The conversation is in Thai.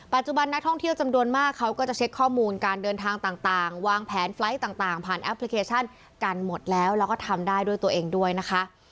นักท่องเที่ยวจำนวนมากเขาก็จะเช็คข้อมูลการเดินทางต่างวางแผนไฟล์ทต่างผ่านแอปพลิเคชันกันหมดแล้วแล้วก็ทำได้ด้วยตัวเองด้วยนะคะ